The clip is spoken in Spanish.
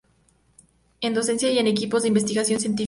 En docencia y en equipos de investigación científica.